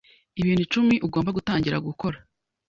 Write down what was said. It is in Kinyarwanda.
Ibintu icumi ugomba gutangira gukora